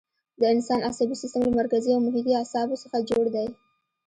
د انسان عصبي سیستم له مرکزي او محیطي اعصابو څخه جوړ دی.